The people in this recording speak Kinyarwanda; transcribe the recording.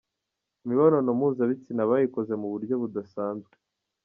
Imibonano mpuzabitsina bayikoze mu buryo budasanzwe.